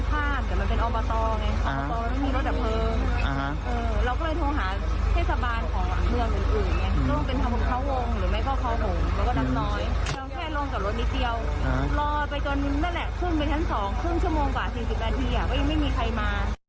เขาผึ้นทั้งครึ่งชั่วโมงกว่า๔๐นาทีไม่มีใครมา